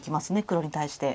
黒に対して。